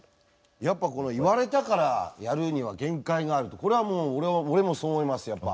やっぱ言われたからやるには限界があると、これは俺もそう思います、やっぱ。